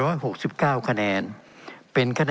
เป็นของสมาชิกสภาพภูมิแทนรัฐรนดร